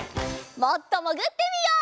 もっともぐってみよう！